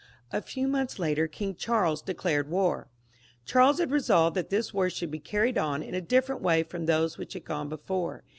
A few months later King Charles declared war. Charles had resolved that this war should be carried on in a different way from those which had gone before.